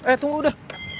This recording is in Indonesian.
eh tunggu udah